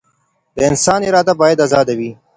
د انسان اراده بايد ازاده وي.